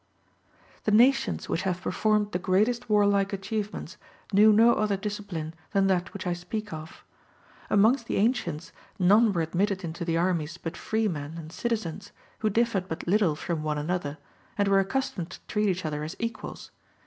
The nations which have performed the greatest warlike achievements knew no other discipline than that which I speak of. Amongst the ancients none were admitted into the armies but freemen and citizens, who differed but little from one another, and were accustomed to treat each other as equals.